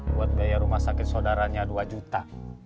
saya bantu resti buat bayar rumah sakit saudaranya dua juta